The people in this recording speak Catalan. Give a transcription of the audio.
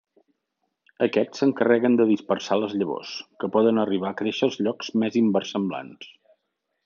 Aquests s'encarreguen de dispersar les llavors, que poden arribar a créixer als llocs més inversemblants.